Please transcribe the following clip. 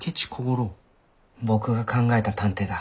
僕が考えた探偵だ。